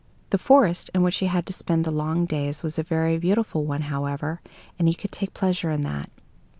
The forest in which he had to spend the long days was a very beautiful one, however, and he could take pleasure in that.